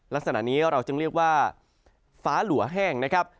ลักษณะนี้เราจึงเรียกว่าฟ้าหลัวแห้งนะครับ